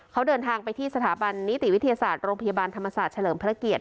เขาเดินทางไปที่สถาบันนิติวิทยาศาสตร์โรงพยาบาลธรรมศาสตร์เฉลิมพระเกียรติ